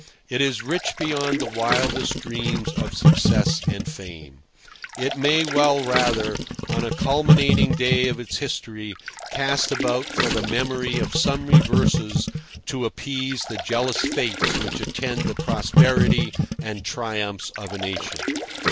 It is rich beyond the wildest dreams of success and fame. It may well, rather, on a culminating day of its history, cast about for the memory of some reverses to appease the jealous fates which attend the prosperity and triumphs of a nation.